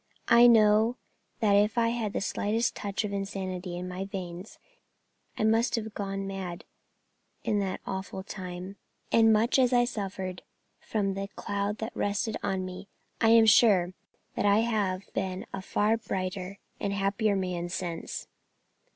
I know that if I had had the slightest touch of insanity in my veins I must have gone mad in that awful time; and much as I have suffered from the cloud that rested on me, I am sure I have been a far brighter and happier man since."